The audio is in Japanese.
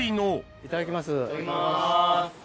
いただきます。